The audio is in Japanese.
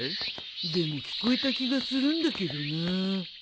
でも聞こえた気がするんだけどな。